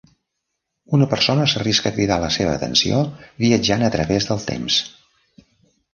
Una persona s'arrisca a cridar la seva atenció viatjant a través del temps.